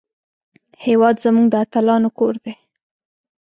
هېواد زموږ د اتلانو کور دی